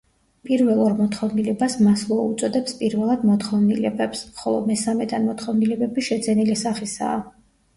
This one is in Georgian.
პირველ ორ მოთხოვნილებას მასლოუ უწოდებს პირველად მოთხოვნილებებს, ხოლო მესამედან მოთხოვნილებები შეძენილი სახისაა.